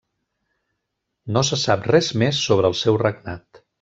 No se sap res més sobre el seu regnat.